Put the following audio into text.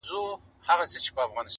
چي ته بېلېږې له مست سوره څخه.